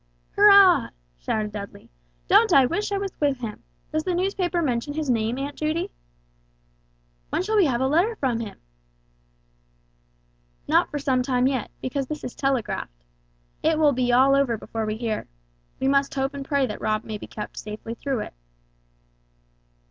"Hurrah!" shouted Dudley, "don't I wish I was with him! Does the newspaper mention his name, Aunt Judy?" "When shall we have a letter from him?" "Not for some time yet, because this is telegraphed. It will be all over before we hear. We must hope and pray that Rob may be kept safely through it."